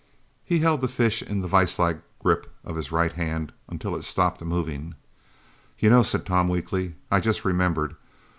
He held the fish in the viselike grip of his right hand until it stopped moving. "You know," said Tom weakly, "I just remembered.